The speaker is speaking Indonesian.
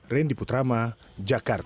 rendy putrama jakarta